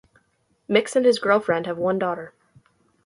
Mix and his girlfriend have one daughter.